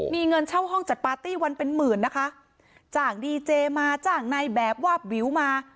มีเงินเช่าห้องจัดปาร์ตี้วันเป็นหมื่นนะคะจ้างดีเจมาจ้างในแบบวาบวิวมา